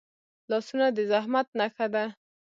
لاسونه د زحمت نښه ده